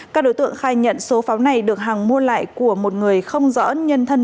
các đối tượng khai nhận số pháo này được hằng mua lại của một người không rõ nhân thân